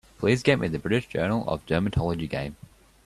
Please get me the British Journal of Dermatology game.